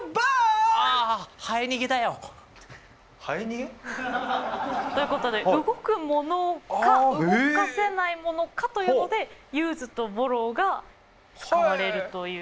ああ！ということで動くものか動かせないものかというので「ｕｓｅ」と「ｂｏｒｒｏｗ」が使われるという。